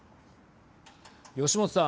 吉元さん。